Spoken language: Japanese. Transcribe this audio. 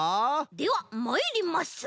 ではまいります。